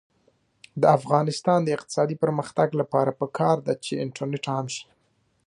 د افغانستان د اقتصادي پرمختګ لپاره پکار ده چې انټرنیټ عام شي.